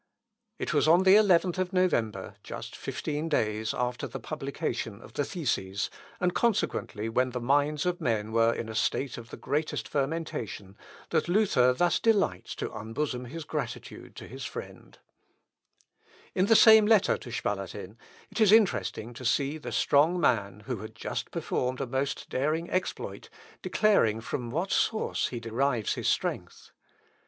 " It was on the 11th November, just fifteen days after the publication of the theses, and consequently when the minds of men were in a state of the greatest fermentation, that Luther thus delights to unbosom his gratitude to his friend. "Tibi gratias ago; imo quid tibi non debeo?" (Luth. Ep. i, p. 74.) In the same letter to Spalatin, it is interesting to see the strong man, who had just performed a most daring exploit, declaring from what source he derives his strength.